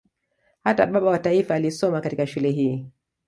Hata baba wa taifa alisoma katika shule hii